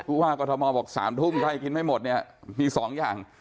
กูว่ากธมบอกสามทุ่มใครกินไม่หมดเนี่ยมีสองอย่าง